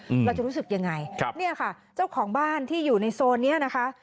เราจะรู้สึกยังไงครับเนี่ยค่ะเจ้าของบ้านที่อยู่ในโซนเนี้ยนะคะ